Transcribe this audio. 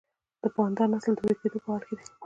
د پاندا نسل د ورکیدو په حال کې دی